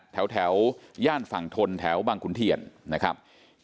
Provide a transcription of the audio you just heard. แถวย่านฝั่งทนแถวบางขุนเทียนนะครับ